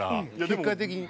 結果的に。